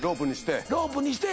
ロープにして。